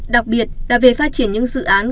đặc biệt là về phát triển những dự án